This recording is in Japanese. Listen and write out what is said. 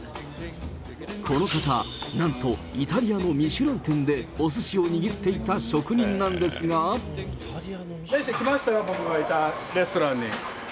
この方、なんとイタリアのミシュラン店でおすしを握っていた職人なんですメッシ、来ましたよ、僕がいたレストランに。